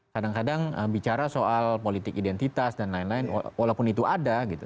kadang kadang bicara soal politik identitas dan lain lain walaupun itu ada gitu